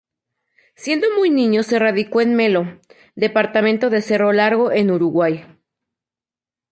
Siendo muy niño se radicó en Melo, Departamento de Cerro Largo en Uruguay.